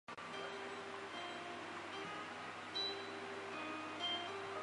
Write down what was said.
目前连同孔庙和碑林建筑对外开放。